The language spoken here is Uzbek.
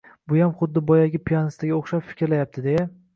«Buyam xuddi boyagi piyonistaga o‘xshab fikrlayapti», deya